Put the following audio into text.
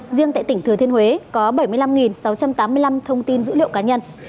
riêng tại tỉnh thừa thiên huế có bảy mươi năm sáu trăm tám mươi năm thông tin dữ liệu cá nhân